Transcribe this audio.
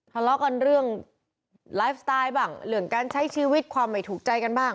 ทะเลาะกันเรื่องไลฟ์สไตล์บ้างเรื่องการใช้ชีวิตความไม่ถูกใจกันบ้าง